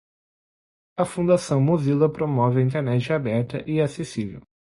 A Fundação Mozilla promove a internet aberta e acessível.